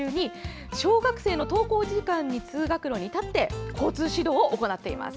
小学生の登校時間に通学路に立って交通指導を行っています。